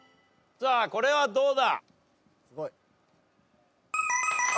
さあこれどうだ？